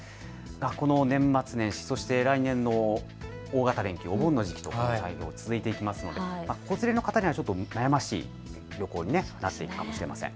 この年末年始、そして来年の大型連休、お盆の時期、続いていきますので子連れの方には少し悩ましいことになっていくかもしれません。